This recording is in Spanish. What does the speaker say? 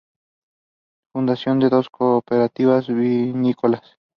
Funcionan dos cooperativas vinícolas.